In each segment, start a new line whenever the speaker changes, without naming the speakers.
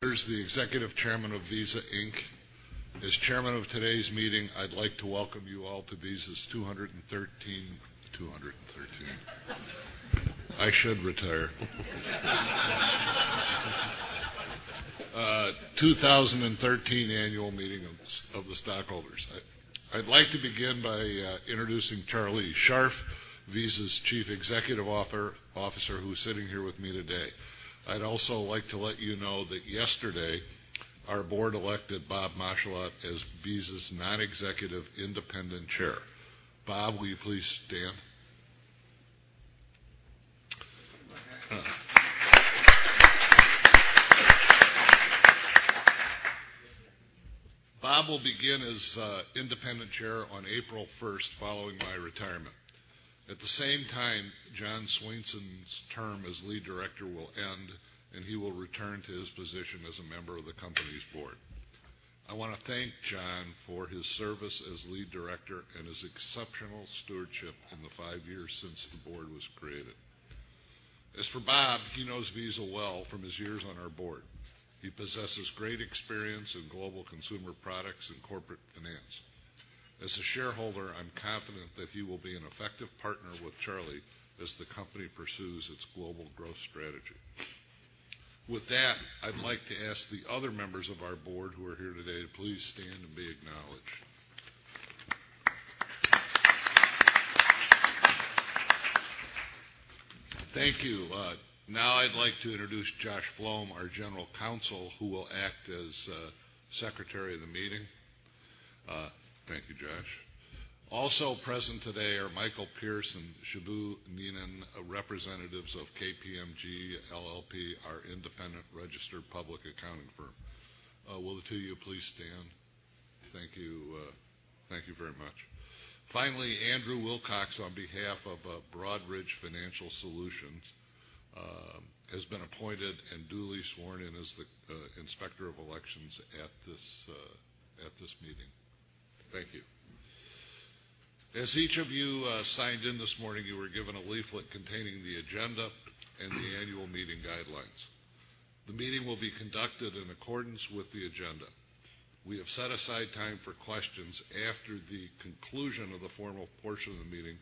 There's the Executive Chairman of Visa Inc. As chairman of today's meeting, I'd like to welcome you all to Visa's 2013 annual meeting of the stockholders. I'd like to begin by introducing Charlie Scharf, Visa's Chief Executive Officer, who's sitting here with me today. I'd also like to let you know that yesterday our board elected Bob Matschullat as Visa's non-executive independent chair. Bob, will you please stand? Bob will begin as independent chair on April 1st, following my retirement. At the same time, John Swainson's term as lead director will end, and he will return to his position as a member of the company's board. I want to thank John for his service as lead director and his exceptional stewardship in the five years since the board was created. As for Bob, he knows Visa well from his years on our board. He possesses great experience in global consumer products and corporate finance. As a shareholder, I'm confident that he will be an effective partner with Charlie as the company pursues its global growth strategy. With that, I'd like to ask the other members of our board who are here today to please stand and be acknowledged. Thank you. Now I'd like to introduce Joshua Floum, our general counsel, who will act as secretary of the meeting. Thank you, Josh. Also present today are Michael Pierce and Shibu Ninan, representatives of KPMG LLP, our independent registered public accounting firm. Will the two of you please stand? Thank you. Thank you very much. Finally, Andrew Wilcox, on behalf of Broadridge Financial Solutions, has been appointed and duly sworn in as the inspector of elections at this meeting. Thank you. As each of you signed in this morning, you were given a leaflet containing the agenda and the annual meeting guidelines. The meeting will be conducted in accordance with the agenda. We have set aside time for questions after the conclusion of the formal portion of the meeting,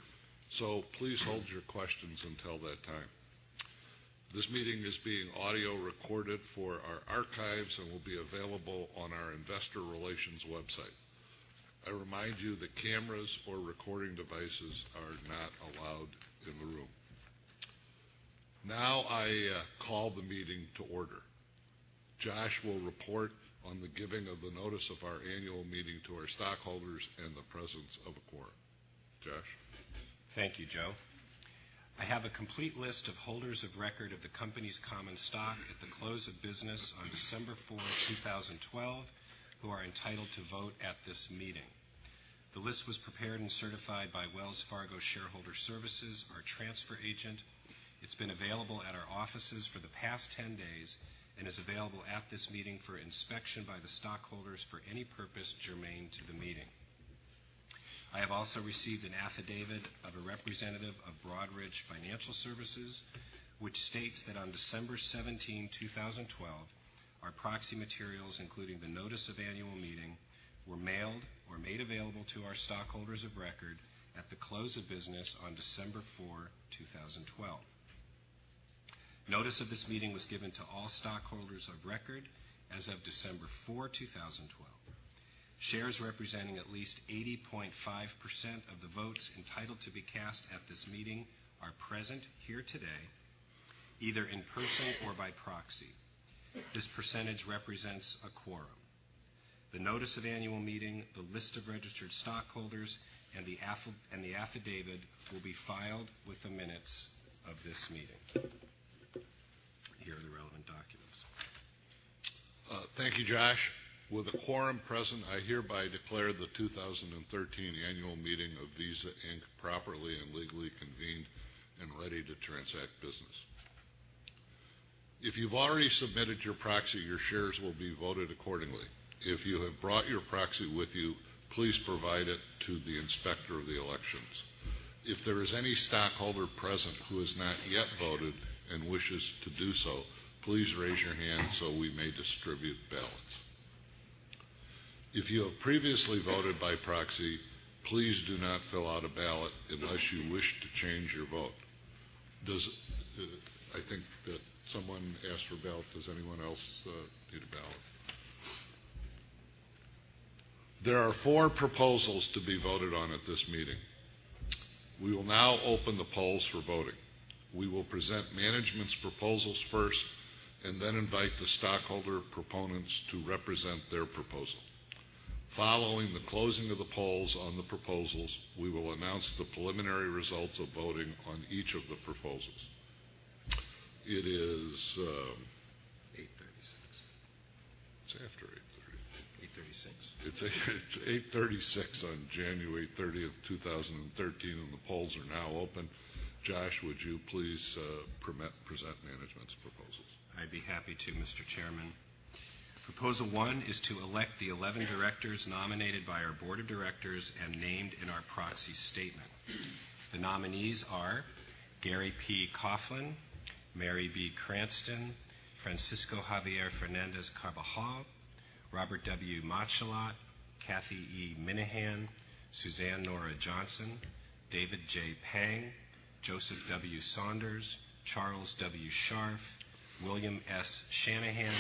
so please hold your questions until that time. This meeting is being audio-recorded for our archives and will be available on our investor relations website. I remind you that cameras or recording devices are not allowed in the room. Now I call the meeting to order. Josh will report on the giving of the notice of our annual meeting to our stockholders and the presence of a quorum. Josh?
Thank you, Joe. I have a complete list of holders of record of the company's common stock at the close of business on December 4, 2012, who are entitled to vote at this meeting. The list was prepared and certified by Wells Fargo Shareholder Services, our transfer agent. It's been available at our offices for the past 10 days and is available at this meeting for inspection by the stockholders for any purpose germane to the meeting. I have also received an affidavit of a representative of Broadridge Financial Solutions, which states that on December 17, 2012, our proxy materials, including the notice of annual meeting, were mailed or made available to our stockholders of record at the close of business on December 4, 2012. Notice of this meeting was given to all stockholders of record as of December 4, 2012. Shares representing at least 80.5% of the votes entitled to be cast at this meeting are present here today, either in person or by proxy. This percentage represents a quorum. The notice of annual meeting, the list of registered stockholders, and the affidavit will be filed with the minutes of this meeting. Here are the relevant documents.
Thank you, Josh. With a quorum present, I hereby declare the 2013 annual meeting of Visa Inc. properly and legally convened and ready to transact business. If you've already submitted your proxy, your shares will be voted accordingly. If you have brought your proxy with you, please provide it to the inspector of the elections. If there is any stockholder present who has not yet voted and wishes to do so, please raise your hand so we may distribute ballots. If you have previously voted by proxy, please do not fill out a ballot unless you wish to change your vote. I think that someone asked for a ballot. Does anyone else need a ballot? There are four proposals to be voted on at this meeting. We will now open the polls for voting. We will present management's proposals first and then invite the stockholder proponents to represent their proposal. Following the closing of the polls on the proposals, we will announce the preliminary results of voting on each of the proposals.
8:36.
It's after 8:30.
8:36.
It's 8:36 A.M. on January 30, 2013, and the polls are now open. Josh, would you please present management's proposals?
I'd be happy to, Mr. Chairman. Proposal 1 is to elect the 11 directors nominated by our board of directors and named in our proxy statement. The nominees are Gary P. Coughlan, Mary B. Cranston, Francisco Javier Fernández-Carbajal, Robert W. Matschullat, Cathy E. Minehan, Suzanne Nora Johnson, David J. Pang, Joseph W. Saunders, Charles W. Scharf, William S. Shanahan,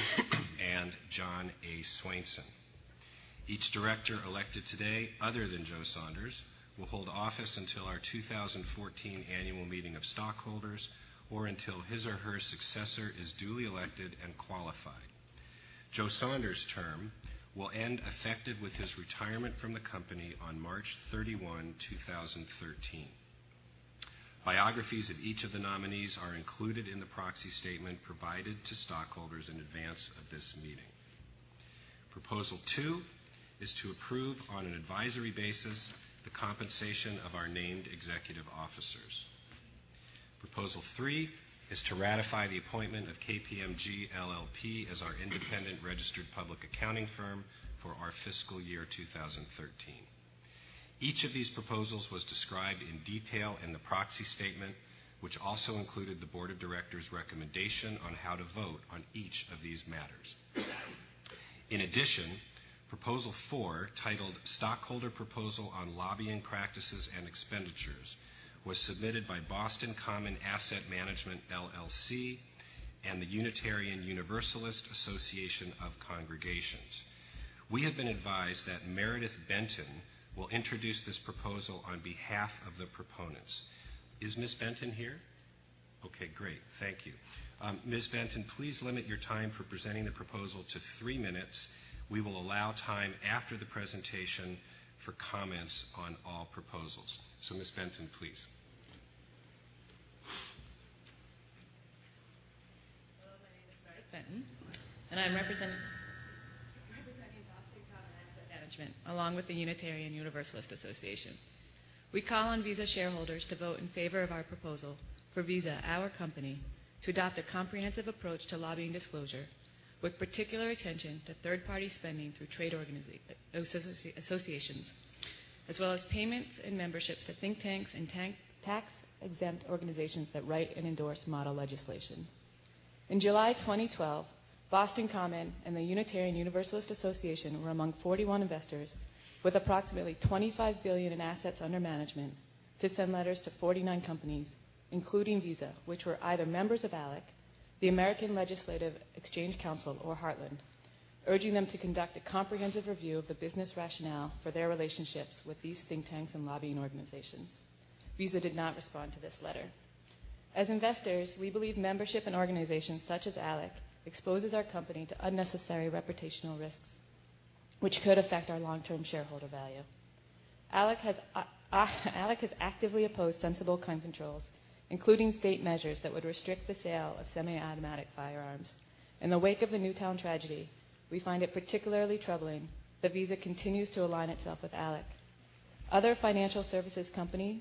and John A. Swainson. Each director elected today, other than Joe Saunders, will hold office until our 2014 annual meeting of stockholders or until his or her successor is duly elected and qualified. Joe Saunders' term will end effective with his retirement from the company on March 31, 2013. Biographies of each of the nominees are included in the proxy statement provided to stockholders in advance of this meeting. Proposal 2 is to approve, on an advisory basis, the compensation of our named executive officers. Proposal 3 is to ratify the appointment of KPMG LLP as our independent registered public accounting firm for our fiscal year 2013. Each of these proposals was described in detail in the proxy statement, which also included the board of directors' recommendation on how to vote on each of these matters. In addition, Proposal 4, titled Stockholder Proposal on Lobbying Practices and Expenditures, was submitted by Boston Common Asset Management, LLC and the Unitarian Universalist Association. We have been advised that Meredith Benton will introduce this proposal on behalf of the proponents. Is Ms. Benton here? Okay, great. Thank you. Ms. Benton, please limit your time for presenting the proposal to three minutes. We will allow time after the presentation for comments on all proposals. Ms. Benton, please.
Hello, my name is Meredith Benton, and I'm representing Boston Common Asset Management, along with the Unitarian Universalist Association. We call on Visa shareholders to vote in favor of our proposal for Visa, our company, to adopt a comprehensive approach to lobbying disclosure, with particular attention to third-party spending through trade associations, as well as payments and memberships to think tanks and tax-exempt organizations that write and endorse model legislation. In July 2012, Boston Common and the Unitarian Universalist Association were among 41 investors with approximately $25 billion in assets under management to send letters to 49 companies, including Visa, which were either members of ALEC, the American Legislative Exchange Council, or Heartland, urging them to conduct a comprehensive review of the business rationale for their relationships with these think tanks and lobbying organizations. Visa did not respond to this letter. As investors, we believe membership in organizations such as ALEC exposes our company to unnecessary reputational risks, which could affect our long-term shareholder value. ALEC has actively opposed sensible gun controls, including state measures that would restrict the sale of semi-automatic firearms. In the wake of the Newtown tragedy, we find it particularly troubling that Visa continues to align itself with ALEC. Other financial services companies,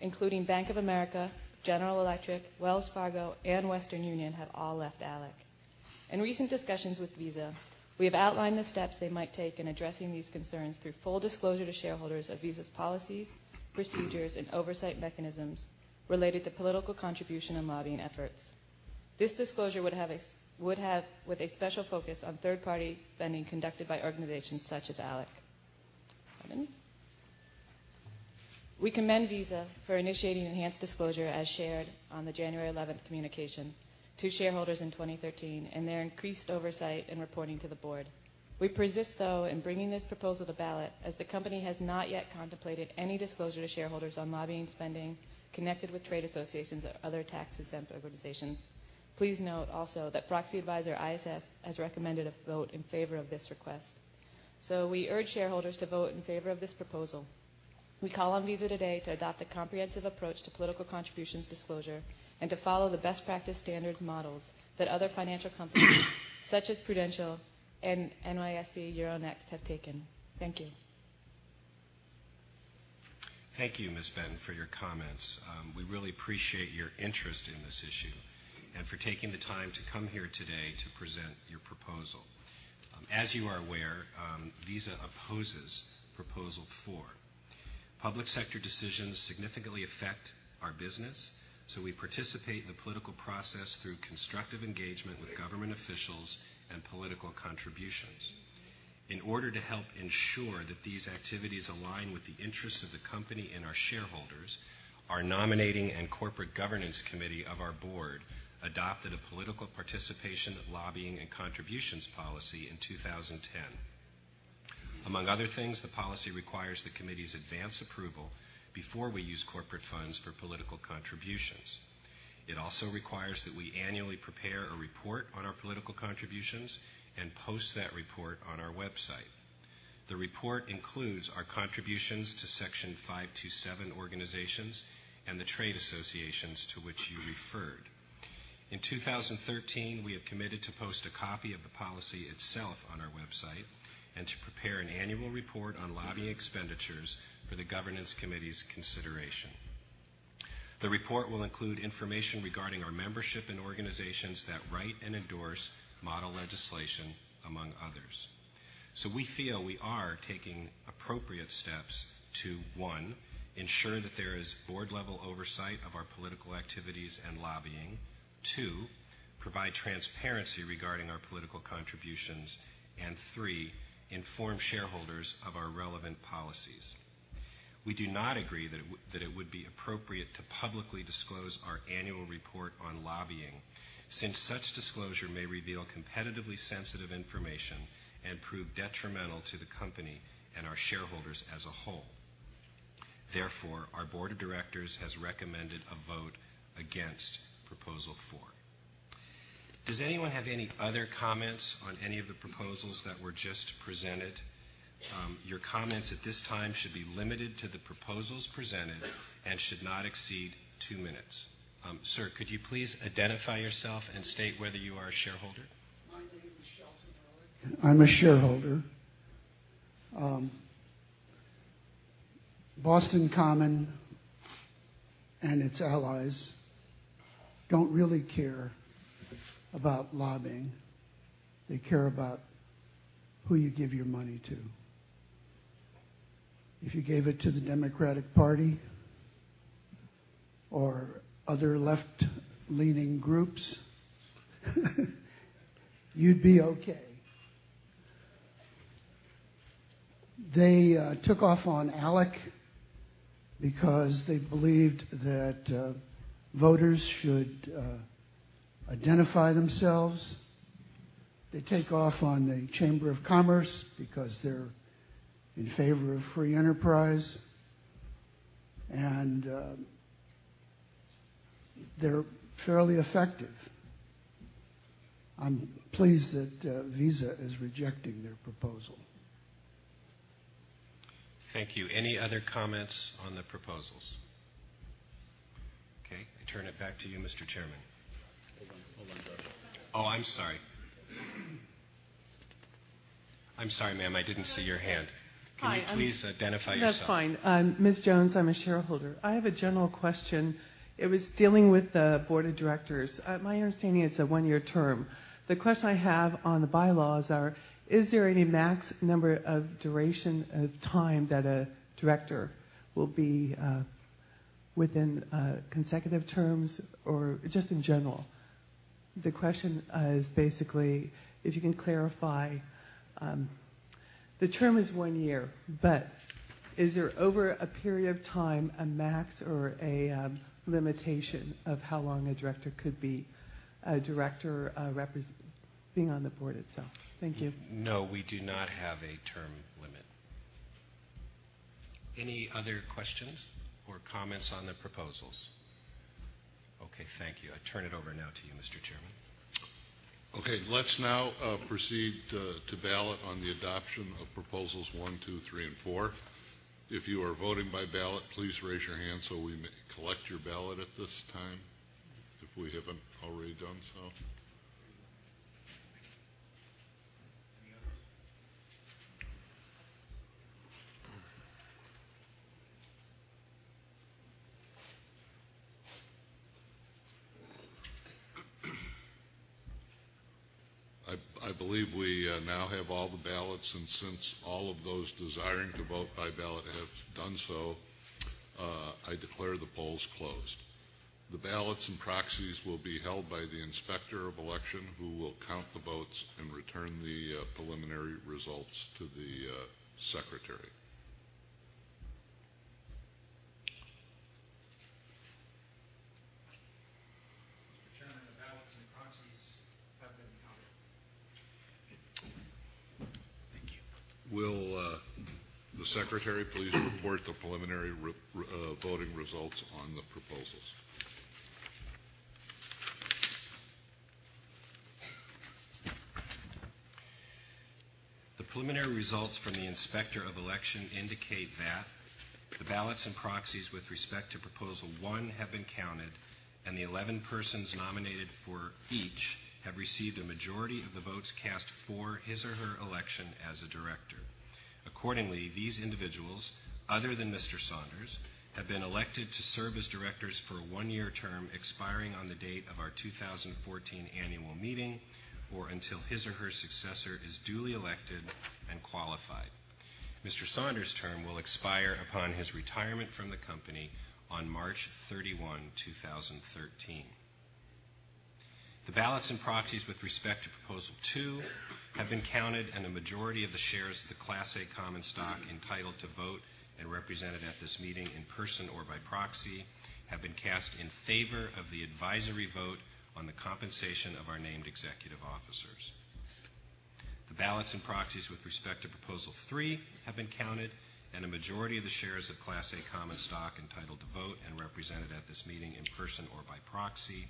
including Bank of America, General Electric, Wells Fargo, and Western Union have all left ALEC. In recent discussions with Visa, we have outlined the steps they might take in addressing these concerns through full disclosure to shareholders of Visa's policies, procedures, and oversight mechanisms related to political contribution and lobbying efforts. This disclosure would have a special focus on third-party spending conducted by organizations such as ALEC. We commend Visa for initiating enhanced disclosure, as shared on the January 11th communication to shareholders in 2013, and their increased oversight and reporting to the board. We persist, though, in bringing this proposal to ballot as the company has not yet contemplated any disclosure to shareholders on lobbying spending connected with trade associations or other tax-exempt organizations. Please note also that proxy advisor ISS has recommended a vote in favor of this request. We urge shareholders to vote in favor of this proposal. We call on Visa today to adopt a comprehensive approach to political contributions disclosure and to follow the best practice standard models that other financial companies such as Prudential and NYSE Euronext have taken. Thank you.
Thank you, Ms. Benton, for your comments. We really appreciate your interest in this issue and for taking the time to come here today to present your proposal. As you are aware, Visa opposes proposal four. Public sector decisions significantly affect our business, so we participate in the political process through constructive engagement with government officials and political contributions. In order to help ensure that these activities align with the interests of the company and our shareholders, our nominating and corporate governance committee of our board adopted a political participation of lobbying and contributions policy in 2010. Among other things, the policy requires the committee's advance approval before we use corporate funds for political contributions. It also requires that we annually prepare a report on our political contributions and post that report on our website. The report includes our contributions to Section 527 organizations and the trade associations to which you referred. In 2013, we have committed to post a copy of the policy itself on our website and to prepare an annual report on lobbying expenditures for the governance committee's consideration. The report will include information regarding our membership in organizations that write and endorse model legislation, among others. We feel we are taking appropriate steps to, one, ensure that there is board-level oversight of our political activities and lobbying. Two, provide transparency regarding our political contributions. And three, inform shareholders of our relevant policies. We do not agree that it would be appropriate to publicly disclose our annual report on lobbying, since such disclosure may reveal competitively sensitive information and prove detrimental to the company and our shareholders as a whole. Therefore, our board of directors has recommended a vote against proposal four. Does anyone have any other comments on any of the proposals that were just presented? Your comments at this time should be limited to the proposals presented and should not exceed two minutes. Sir, could you please identify yourself and state whether you are a shareholder?
My name is Shelton Miller. I'm a shareholder. Boston Common and its allies don't really care about lobbying. They care about who you give your money to. If you gave it to the Democratic Party or other left-leaning groups you'd be okay. They took off on ALEC because they believed that voters should identify themselves. They take off on the Chamber of Commerce because they're in favor of free enterprise. They're fairly effective. I'm pleased that Visa is rejecting their proposal.
Thank you. Any other comments on the proposals? Okay, I turn it back to you, Mr. Chairman.
Hold on, Josh.
Oh, I'm sorry. I'm sorry, ma'am. I didn't see your hand.
Hi. I'm-
Can you please identify yourself?
That's fine. Ms. Jones. I'm a shareholder. I have a general question. It was dealing with the board of directors. My understanding it's a one-year term. The question I have on the bylaws are, is there any max number of duration of time that a director will be within consecutive terms, or just in general? The question is basically if you can clarify, the term is one year, but is there over a period of time a max or a limitation of how long a director could be a director representing on the board itself? Thank you.
No, we do not have a term limit. Any other questions or comments on the proposals? Okay, thank you. I turn it over now to you, Mr. Chairman.
Okay. Let's now proceed to ballot on the adoption of proposals one, two, three, and four. If you are voting by ballot, please raise your hand so we may collect your ballot at this time, if we haven't already done so.
Any others?
I believe we now have all the ballots, and since all of those desiring to vote by ballot have done so, I declare the polls closed. The ballots and proxies will be held by the Inspector of Election, who will count the votes and return the preliminary results to the Secretary.
Mr. Chairman, the ballots and proxies have been counted.
Thank you.
Will the Secretary please report the preliminary voting results on the proposals?
The preliminary results from the Inspector of Election indicate that the ballots and proxies with respect to proposal one have been counted, and the 11 persons nominated for each have received a majority of the votes cast for his or her election as a director. Accordingly, these individuals, other than Mr. Saunders, have been elected to serve as directors for a one-year term expiring on the date of our 2014 annual meeting, or until his or her successor is duly elected and qualified. Mr. Saunders' term will expire upon his retirement from the company on March 31, 2013. The ballots and proxies with respect to proposal 2 have been counted, and a majority of the shares of the Class A common stock entitled to vote and represented at this meeting in person or by proxy have been cast in favor of the advisory vote on the compensation of our named executive officers. The ballots and proxies with respect to proposal 3 have been counted, and a majority of the shares of Class A common stock entitled to vote and represented at this meeting in person or by proxy,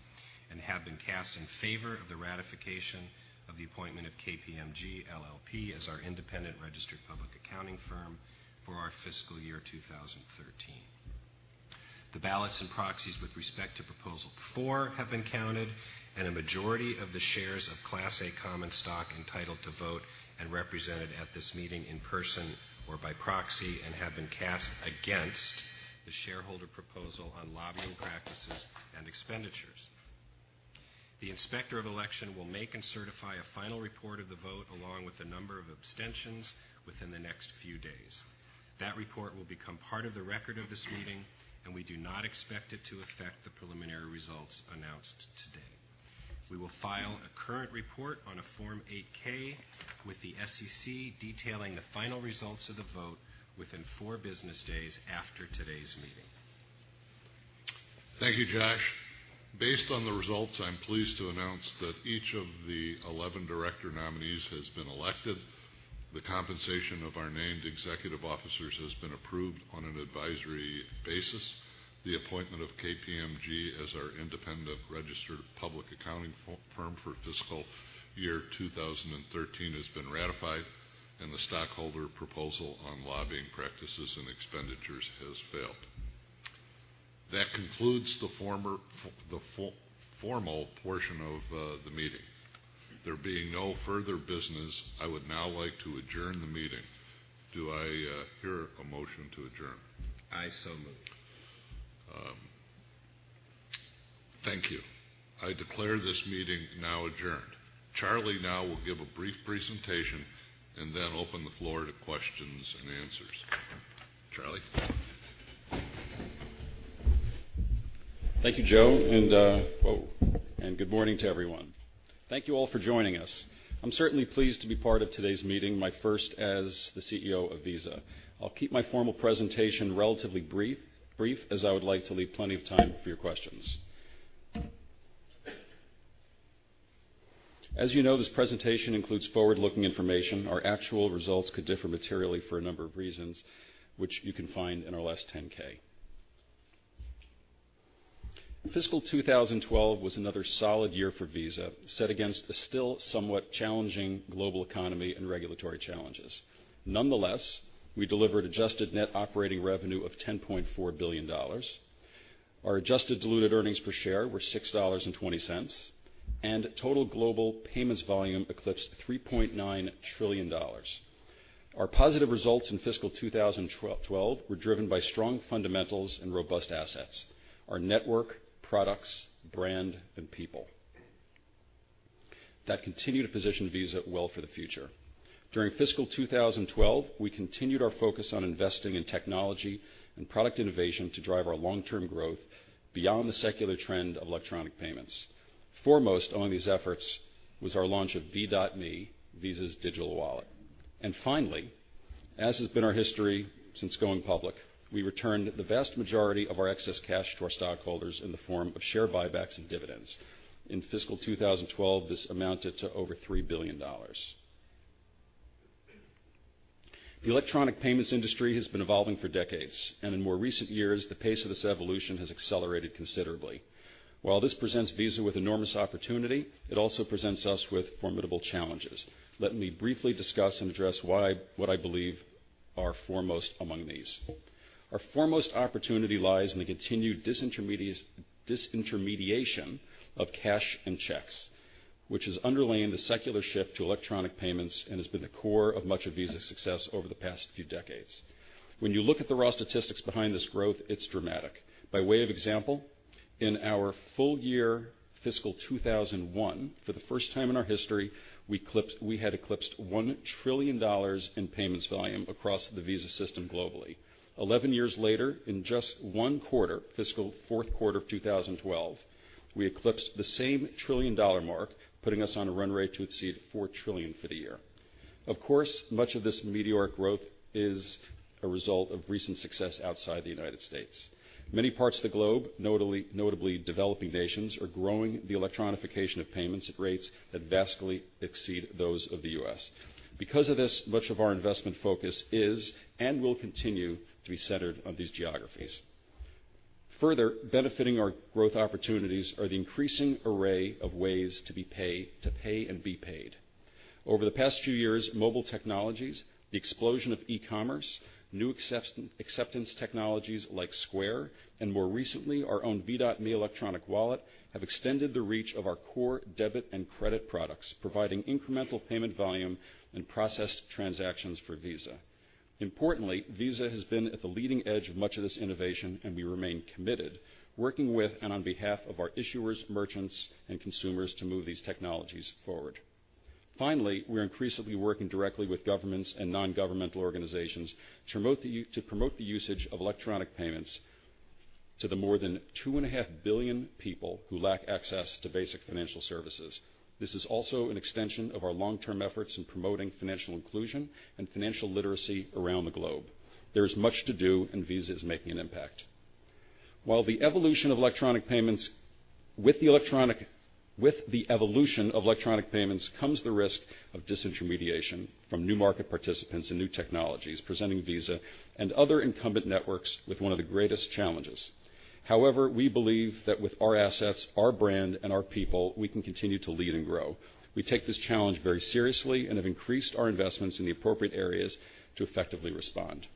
and have been cast in favor of the ratification of the appointment of KPMG LLP as our independent registered public accounting firm for our fiscal year 2013. The ballots and proxies with respect to proposal 4 have been counted, and a majority of the shares of Class A common stock entitled to vote and represented at this meeting in person or by proxy, and have been cast against the shareholder proposal on lobbying practices and expenditures. The Inspector of Elections will make and certify a final report of the vote, along with the number of abstentions within the next few days. That report will become part of the record of this meeting, and we do not expect it to affect the preliminary results announced today. We will file a current report on a Form 8-K with the SEC detailing the final results of the vote within four business days after today's meeting.
Thank you, Josh. Based on the results, I'm pleased to announce that each of the 11 director nominees has been elected, the compensation of our named executive officers has been approved on an advisory basis, the appointment of KPMG as our independent registered public accounting firm for fiscal year 2013 has been ratified, and the stockholder proposal on lobbying practices and expenditures has failed. That concludes the formal portion of the meeting. There being no further business, I would now like to adjourn the meeting. Do I hear a motion to adjourn?
I so move.
Thank you. I declare this meeting now adjourned. Charlie now will give a brief presentation and then open the floor to questions and answers. Charlie.
Thank you, Joe, and good morning to everyone. Thank you all for joining us. I'm certainly pleased to be part of today's meeting, my first as the CEO of Visa. I'll keep my formal presentation relatively brief, as I would like to leave plenty of time for your questions. As you know, this presentation includes forward-looking information. Our actual results could differ materially for a number of reasons, which you can find in our last 10-K. Fiscal 2012 was another solid year for Visa, set against a still somewhat challenging global economy and regulatory challenges. Nonetheless, we delivered adjusted net operating revenue of $10.4 billion. Our adjusted diluted earnings per share were $6.20. Total global payments volume eclipsed $3.9 trillion. Our positive results in fiscal 2012 were driven by strong fundamentals and robust assets, our network, products, brand, and people. That continue to position Visa well for the future. During fiscal 2012, we continued our focus on investing in technology and product innovation to drive our long-term growth beyond the secular trend of electronic payments. Foremost on these efforts was our launch of V.me, Visa's digital wallet. Finally, as has been our history since going public, we returned the vast majority of our excess cash to our stockholders in the form of share buybacks and dividends. In fiscal 2012, this amounted to over $3 billion. The electronic payments industry has been evolving for decades. In more recent years, the pace of this evolution has accelerated considerably. While this presents Visa with enormous opportunity, it also presents us with formidable challenges. Let me briefly discuss and address what I believe are foremost among these. Our foremost opportunity lies in the continued disintermediation of cash and checks, which has underlain the secular shift to electronic payments and has been the core of much of Visa's success over the past few decades. When you look at the raw statistics behind this growth, it's dramatic. By way of example, in our full year fiscal 2001, for the first time in our history, we had eclipsed $1 trillion in payments volume across the Visa system globally. 11 years later, in just one quarter, fiscal fourth quarter of 2012, we eclipsed the same trillion-dollar mark, putting us on a run rate to exceed $4 trillion for the year. Of course, much of this meteoric growth is a result of recent success outside the United States. Many parts of the globe, notably developing nations, are growing the electronification of payments at rates that vastly exceed those of the U.S. Because of this, much of our investment focus is and will continue to be centered on these geographies. Further benefiting our growth opportunities are the increasing array of ways to pay and be paid. Over the past few years, mobile technologies, the explosion of e-commerce, new acceptance technologies like Square, and more recently, our own V.me electronic wallet, have extended the reach of our core debit and credit products, providing incremental payment volume and processed transactions for Visa. Importantly, Visa has been at the leading edge of much of this innovation, and we remain committed, working with and on behalf of our issuers, merchants, and consumers to move these technologies forward. Finally, we're increasingly working directly with governments and non-governmental organizations to promote the usage of electronic payments to the more than two and a half billion people who lack access to basic financial services. This is also an extension of our long-term efforts in promoting financial inclusion and financial literacy around the globe. There's much to do, and Visa is making an impact. With the evolution of electronic payments comes the risk of disintermediation from new market participants and new technologies, presenting Visa and other incumbent networks with one of the greatest challenges. However, we believe that with our assets, our brand, and our people, we can continue to lead and grow. We take this challenge very seriously and have increased our investments in the appropriate areas to effectively respond.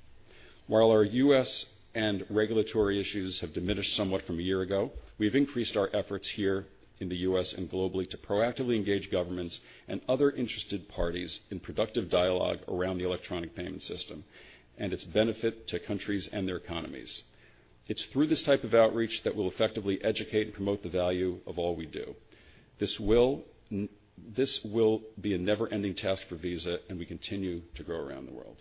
While our U.S. and regulatory issues have diminished somewhat from a year ago, we've increased our efforts here in the U.S. and globally to proactively engage governments and other interested parties in productive dialogue around the electronic payment system and its benefit to countries and their economies. It's through this type of outreach that we'll effectively educate and promote the value of all we do. This will be a never-ending task for Visa, and we continue to grow around the world.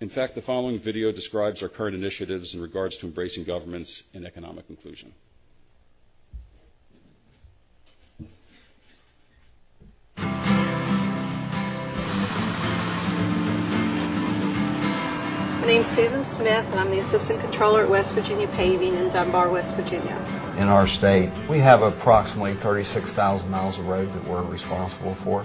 In fact, the following video describes our current initiatives in regards to embracing governments in economic inclusion.
My name's Susan Smith, and I'm the assistant controller at West Virginia Paving in Dunbar, West Virginia.
In our state, we have approximately 36,000 miles of road that we're responsible for.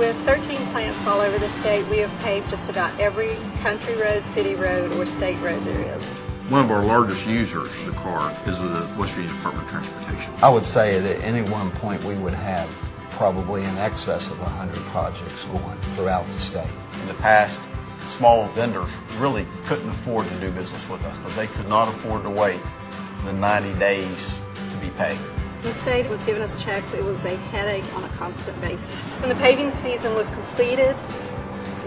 With 13 plants all over the state, we have paved just about every country road, city road, or state road there is.
One of our largest users of the card is with the West Virginia Department of Transportation.
I would say that at any one point, we would have probably in excess of 100 projects going throughout the state.
In the past, small vendors really couldn't afford to do business with us because they could not afford to wait the 90 days to be paid.
The state was giving us checks. It was a headache on a constant basis. When the paving season was completed,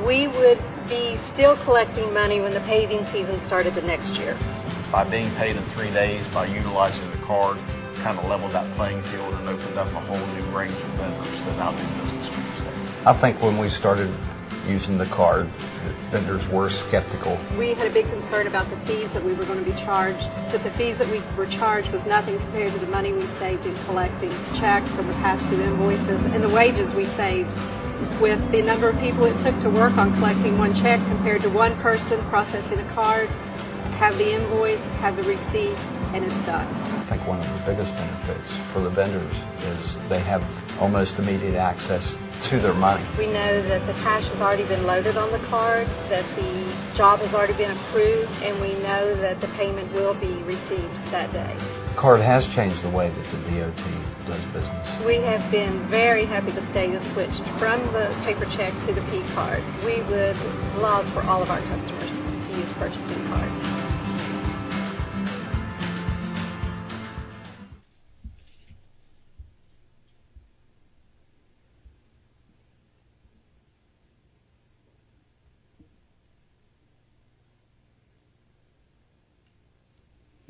we would be still collecting money when the paving season started the next year.
By being paid in three days, by utilizing the card, kind of leveled that playing field and opened up a whole new range of vendors to now do business with the state.
I think when we started using the card, the vendors were skeptical.
We had a big concern about the fees that we were going to be charged, but the fees that we were charged was nothing compared to the money we saved in collecting checks and the cost of invoices and the wages we saved with the number of people it took to work on collecting one check compared to one person processing a card, have the invoice, have the receipt, and it's done.
I think one of the biggest benefits for the vendors is they have almost immediate access to their money.
We know that the cash has already been loaded on the card, that the job has already been approved, and we know that the payment will be received that day.
The card has changed the way that the DOT does business.
We have been very happy to stay switched from the paper check to the P-Card. We would love for all of our customers to use purchasing cards.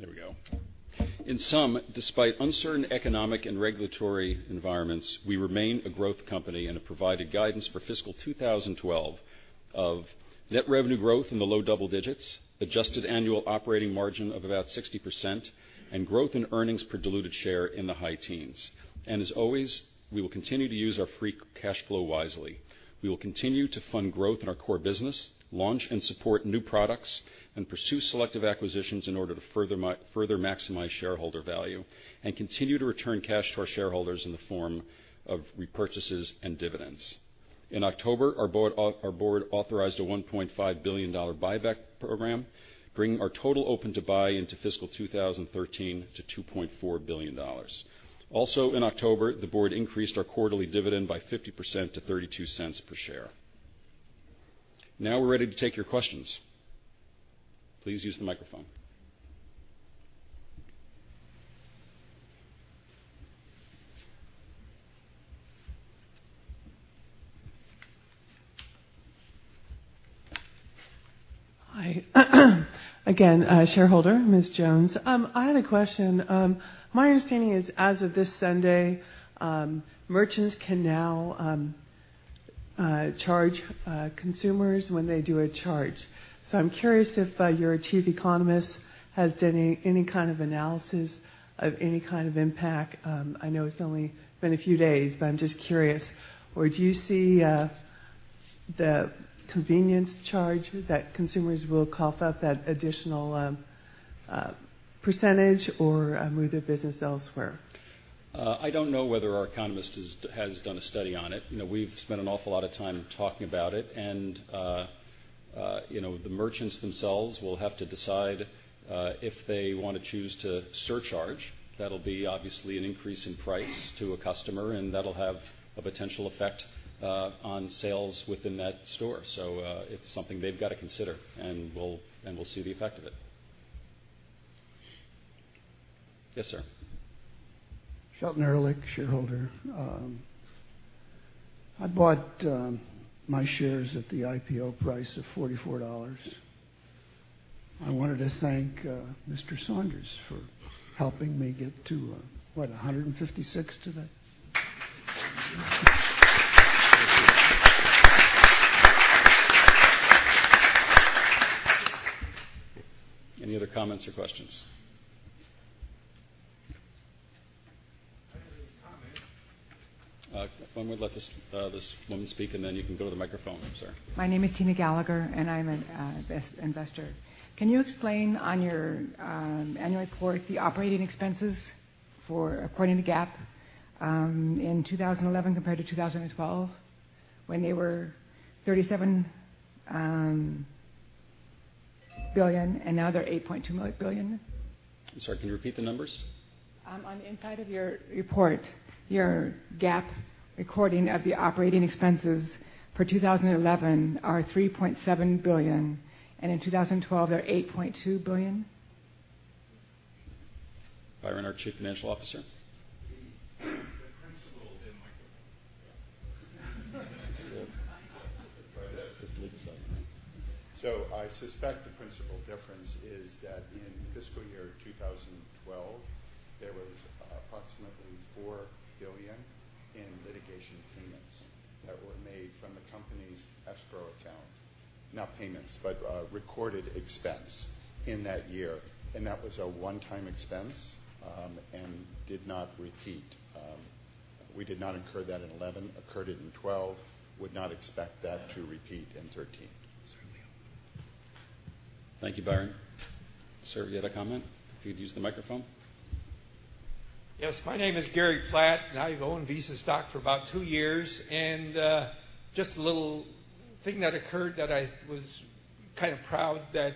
There we go. In sum, despite uncertain economic and regulatory environments, we remain a growth company and have provided guidance for fiscal 2012 of net revenue growth in the low double digits, adjusted annual operating margin of about 60%, and growth in earnings per diluted share in the high teens. As always, we will continue to use our free cash flow wisely. We will continue to fund growth in our core business, launch and support new products, pursue selective acquisitions in order to further maximize shareholder value, continue to return cash to our shareholders in the form of repurchases and dividends. In October, our board authorized a $1.5 billion buyback program, bringing our total open to buy into fiscal 2013 to $2.4 billion. In October, the board increased our quarterly dividend by 50% to $0.32 per share. Now we're ready to take your questions. Please use the microphone.
Hi. Again, shareholder, Ms. Jones. I had a question. My understanding is, as of this Sunday, merchants can now charge consumers when they do a charge. I'm curious if your chief economist has done any kind of analysis of any kind of impact. I know it's only been a few days, but I'm just curious. Do you see the convenience charge that consumers will cough up that additional percentage or move their business elsewhere?
I don't know whether our economist has done a study on it. We've spent an awful lot of time talking about it. The merchants themselves will have to decide if they want to choose to surcharge. That'll be obviously an increase in price to a customer, and that'll have a potential effect on sales within that store. It's something they've got to consider, and we'll see the effect of it. Yes, sir.
Shelton Ehrlich, shareholder. I bought my shares at the IPO price of $44. I wanted to thank Mr. Saunders for helping me get to, what, 156 today.
Any other comments or questions? I have a comment. If one would let this woman speak, then you can go to the microphone, sir.
My name is Tina Gallagher, I'm an investor. Can you explain on your annual report the operating expenses according to GAAP in 2011 compared to 2012, when they were $37 billion and now they're $8.2 billion?
I'm sorry, can you repeat the numbers?
On the inside of your report, your GAAP recording of the operating expenses for 2011 are $3.7 billion, in 2012 they're $8.2 billion.
Byron, our Chief Financial Officer.
I suspect the principal difference is that in fiscal year 2012, there was approximately $4 billion in litigation payments that were made from the company's escrow account. Not payments, but recorded expense in that year. That was a one-time expense and did not repeat. We did not incur that in 2011, occurred it in 2012, would not expect that to repeat in 2013.
Certainly. Thank you, Byron. Sir, have you had a comment? If you'd use the microphone.
Yes. My name is Gary Platt. I've owned Visa stock for about two years. Just a little thing that occurred that I was kind of proud that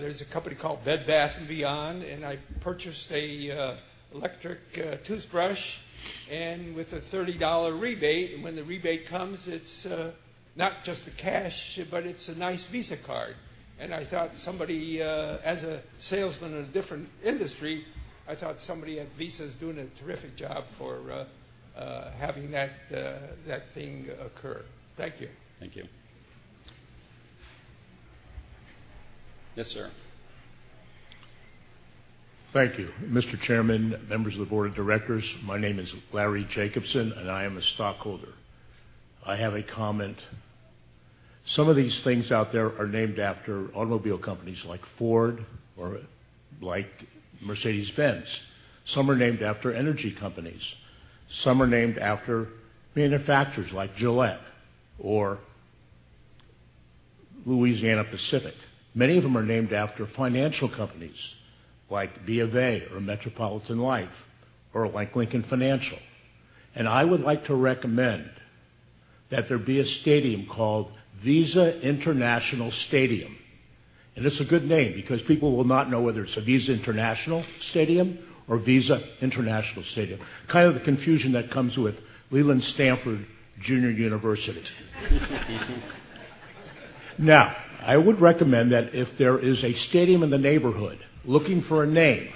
there's a company called Bed Bath & Beyond. I purchased an electric toothbrush, with a $30 rebate. When the rebate comes, it's not just the cash, but it's a nice Visa card. I thought somebody, as a salesman in a different industry, I thought somebody at Visa is doing a terrific job for having that thing occur. Thank you.
Thank you. Yes, sir. Thank you. Mr. Chairman, members of the board of directors, my name is Larry Jacobson, and I am a stockholder. I have a comment. Some of these things out there are named after automobile companies like Ford or like Mercedes-Benz. Some are named after energy companies. Some are named after manufacturers like Gillette or Louisiana-Pacific. Many of them are named after financial companies like B of A or Metropolitan Life or like Lincoln Financial. I would like to recommend that there be a stadium called Visa International Stadium. It's a good name because people will not know whether it's a Visa International Stadium or Visa International Stadium. Kind of the confusion that comes with Leland Stanford Junior University. I would recommend that if there is a stadium in the neighborhood looking for a name,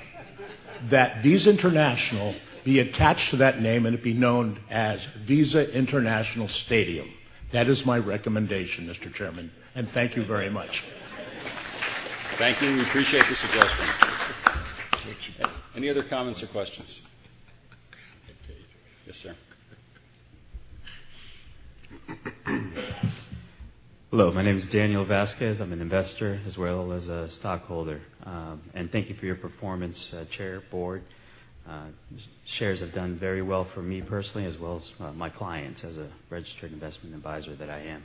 that Visa International be attached to that name, and it be known as Visa International Stadium. That is my recommendation, Mr. Chairman. Thank you very much. Thank you. We appreciate the suggestion. Any other comments or questions? Yes, sir. Hello. My name is Daniel Vasquez. I'm an investor as well as a stockholder. Thank you for your performance, Chair, Board. Shares have done very well for me personally as well as my clients as a registered investment advisor that I am.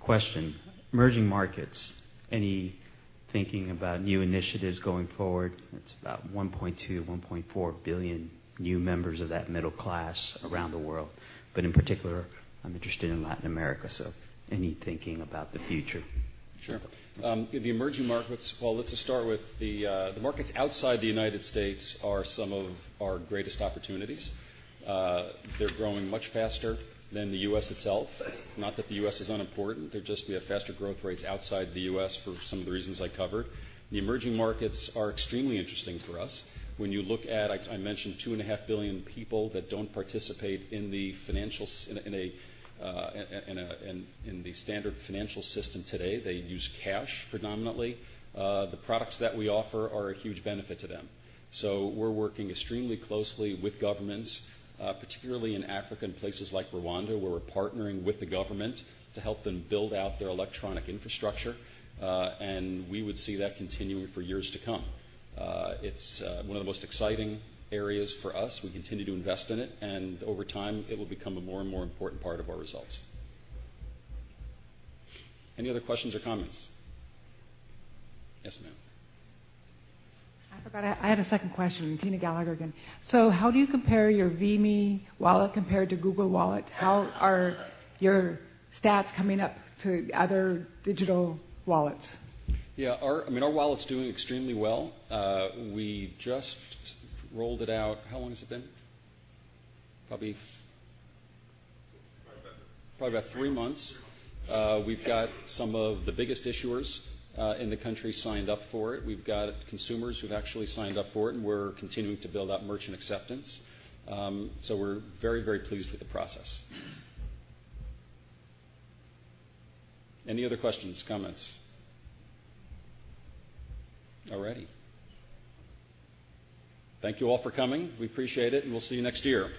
Question, emerging markets, any thinking about new initiatives going forward? It's about 1.2 billion, 1.4 billion new members of that middle class around the world. In particular, I'm interested in Latin America, so any thinking about the future? Sure. The emerging markets, let's just start with the markets outside the U.S. are some of our greatest opportunities. They're growing much faster than the U.S. itself. Not that the U.S. is unimportant, we have faster growth rates outside the U.S. for some of the reasons I covered. The emerging markets are extremely interesting for us. When you look at, I mentioned 2.5 billion people that don't participate in the standard financial system today. They use cash predominantly. The products that we offer are a huge benefit to them. We're working extremely closely with governments, particularly in Africa and places like Rwanda, where we're partnering with the government to help them build out their electronic infrastructure. We would see that continuing for years to come. It's one of the most exciting areas for us. We continue to invest in it, and over time, it will become a more and more important part of our results. Any other questions or comments? Yes, ma'am.
I forgot I had a second question. Tina Gallagher again. How do you compare your V.me Wallet compared to Google Wallet? How are your stats coming up to other digital wallets?
Yeah. Our wallet's doing extremely well. We just rolled it out, how long has it been?
Probably about-
Probably about three months.
three months.
We've got some of the biggest issuers in the country signed up for it. We've got consumers who've actually signed up for it, and we're continuing to build out merchant acceptance. We're very pleased with the process. Any other questions, comments? All righty. Thank you all for coming. We appreciate it, and we'll see you next year.